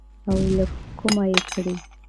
او له کومه يې کړې.